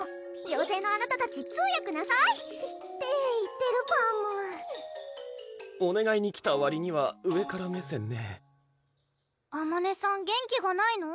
「妖精のあなたたち通訳なさい！」って言ってるパムおねがいに来たわりには上から目線ねあまねさん元気がないの？